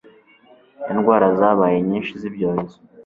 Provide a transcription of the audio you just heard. Indwara zabaye nyinshi zibyorezo